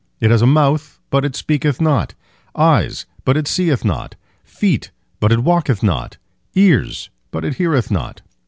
It has a mouth, but it speaketh not; eyes, but it seeth not; feet, but it walketh not; ears, but it heareth not."